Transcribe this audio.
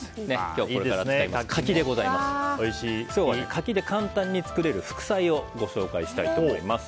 今日は柿で簡単に作れる副菜をご紹介したいと思います。